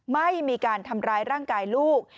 ไม่มีการทำร้ายร่างกายลูก